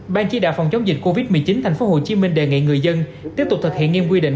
ban chỉ đạo phòng chống dịch covid một mươi chín tp hcm đề nghị người dân tiếp tục thực hiện nghiêm quy định